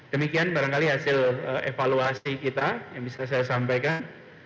demikian barangkali hasil evaluasi kita yang bisa saya sampaikan